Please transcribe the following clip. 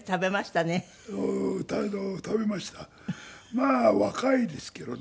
まあ若いですけどね。